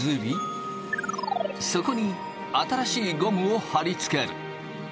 そこに新しいゴムを貼り付ける。